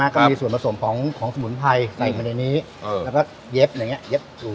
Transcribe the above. ก็มีส่วนผสมของสมุนไพรใส่มาในนี้แล้วก็เย็บอย่างนี้เย็บถูก